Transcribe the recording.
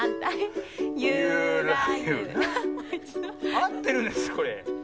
あってるんですかこれ？